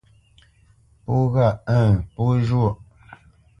Pó ghâʼ ə̂ŋ pó zhwôʼ.